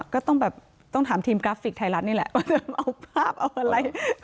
ก็ต้องแบบต้องถามทีมกราฟิกไทยรัฐนี่แหละว่าเอาภาพเอาอะไร